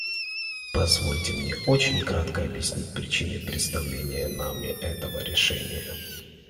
Позвольте мне очень кратко объяснить причины представления нами этого решения.